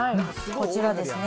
こちらですね。